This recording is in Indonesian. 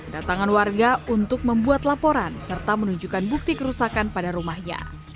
datangan warga untuk membuat laporan serta menunjukkan bukti kerusakan pada rumahnya